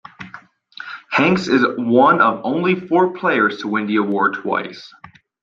Hanks is one of only four players to win the award twice.